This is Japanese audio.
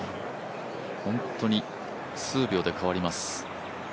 本当に数秒で変わります。